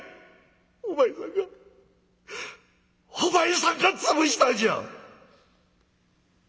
お前さんがお前さんが潰したんじゃ！」。